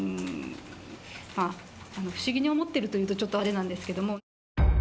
不思議に思っていると言うとちょっとあれなんですけども。